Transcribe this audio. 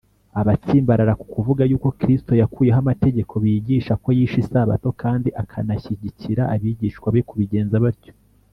abatsimbarara ku kuvuga yuko kristo yakuyeho amategeko bigisha ko yishe isabato kandi akanashyigikira abigishwa be kubigenza batyo